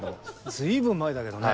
随分前だけどね。